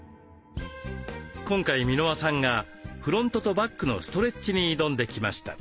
今回箕輪さんがフロントとバックのストレッチに挑んできました。